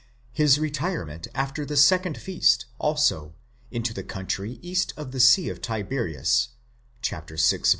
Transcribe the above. His retirement after the second feast, also, into the country east of the Sea of Tiberias (vi.